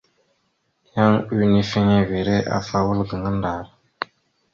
Yan unifiŋere afa wal gaŋa ndar.